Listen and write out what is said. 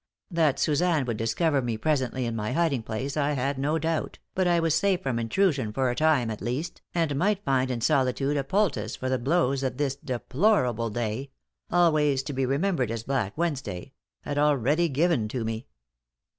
That Suzanne would discover me presently in my hiding place, I had no doubt, but I was safe from intrusion for a time, at least, and might find in solitude a poultice for the blows that this deplorable day always to be remembered as Black Wednesday had already given to me.